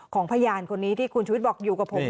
พยานคนนี้ที่คุณชุวิตบอกอยู่กับผม